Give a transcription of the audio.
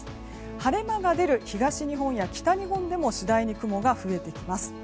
晴れ間が出る東日本や北日本でも次第に雲が増えてきます。